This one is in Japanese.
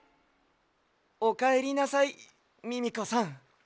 おかえりなさいミミコさん。